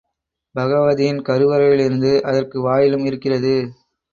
பகவதியின் கருவறையிலிருந்து அதற்கு வாயிலும் இருக்கிறது.